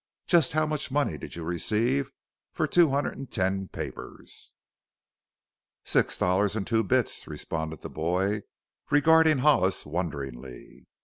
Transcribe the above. Just how much money did you receive for the two hundred and ten papers?" "Six dollars an' two bits," responded the boy, regarding Hollis wonderingly.